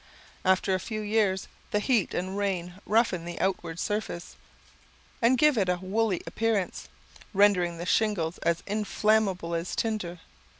After a few years, the heat and rain roughen the outward surface, and give it a woolly appearance, rendering the shingles as inflammable as tinder.